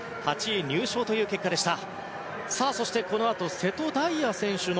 ８位入賞という結果でした。